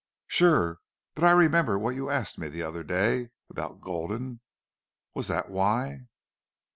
"Sure.... But I remember what you asked me the other day about Gulden. Was that why?"